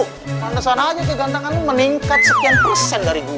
pantesan aja kegantangan lo meningkat sekian persen dari gue